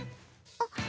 あっ。